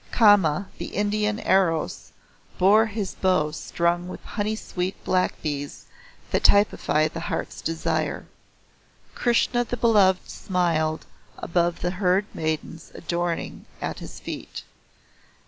Kama, the Indian Eros, bore his bow strung with honey sweet black bees that typify the heart's desire. Krishna the Beloved smiled above the herd maidens adoring at his feet.